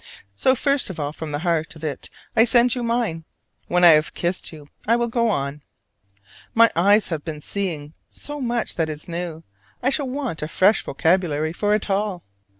So first of all from the heart of it I send you mine: when I have kissed you I will go on. My eyes have been seeing so much that is new, I shall want a fresh vocabulary for it all.